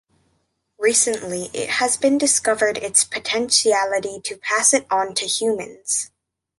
Recently it has been discovered its potentiality to pass it on to humans.